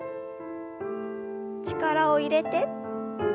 力を入れて。